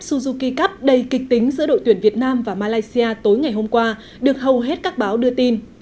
suzuki cup đầy kịch tính giữa đội tuyển việt nam và malaysia tối ngày hôm qua được hầu hết các báo đưa tin